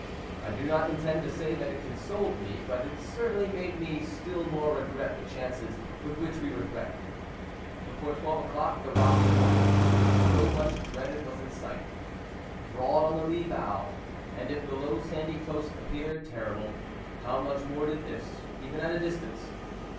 I do not intend to say that it consoled me, but it certainly made me still more regret the chances with which we were threatened. Before twelve o'clock the rocky point which we so much dreaded was in sight, broad on the lee bow; and if the low sandy coast appeared terrible, how much more did this, even at a distance.